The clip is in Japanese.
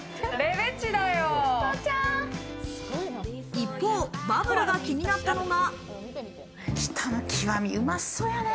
一方、バブルが気になったのが。